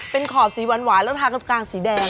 เป็นขอบสีหวานแล้วทานกับกางสีแดง